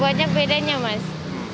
banyak bedanya mas